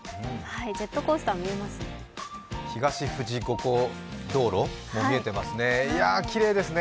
ジェットコースターが見えますね。